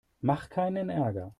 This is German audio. Mach keinen Ärger!